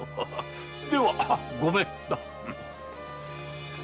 ではごめん。